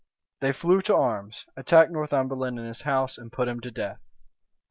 They flew to arms, attacked Northumberland in his house, and put him to death.